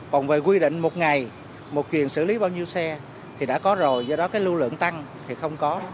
còn về quy định một ngày một kiện xử lý bao nhiêu xe thì đã có rồi do đó cái lưu lượng tăng thì không có